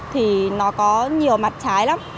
thì nó có nhiều mặt trái lắm